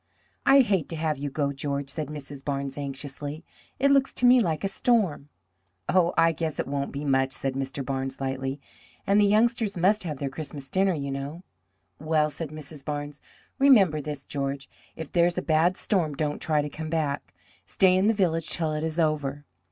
"I hate to have you go, George," said Mrs. Barnes anxiously. "It looks to me like a storm." "Oh, I guess it won't be much," said Mr. Barnes lightly; "and the youngsters must have their Christmas dinner, you know." "Well," said Mrs. Barnes, "remember this, George: if there is a bad storm don't try to come back. Stay in the village till it is over.